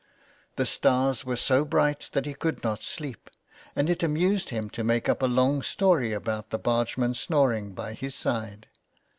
The stars were so bright that he could not sleep, and it amused him to make up a long .story about the bargemen snoring by his side.